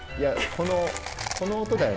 この音よ。